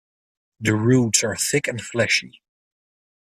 The roots are thick and fleshy.